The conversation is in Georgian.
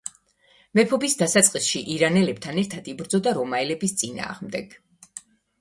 მეფობის დასაწყისში ირანელებთან ერთად იბრძოდა რომაელების წინააღმდეგ.